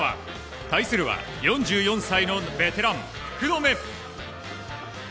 対するは４４歳のベテラン、福留。